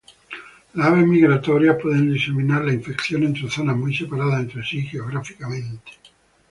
Las aves migratorias pueden diseminar la infección entre zonas muy separadas entre sí geográficamente.